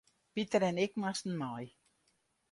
Piter en ik moasten mei.